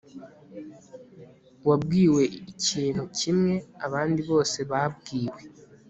wabwiwe ikintu kimwe abandi bose babwiwe